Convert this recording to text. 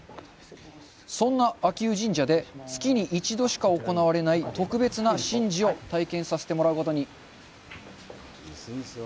そんな秋保神社で月に１度しか行われない特別な神事を体験させてもらうことに。